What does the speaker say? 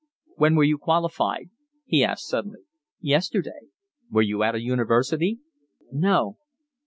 "When were you qualified?" he asked suddenly. "Yesterday." "Were you at a university?" "No."